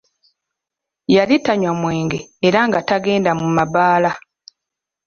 Yali tanywa mwenge era nga tagenda mu mabaala.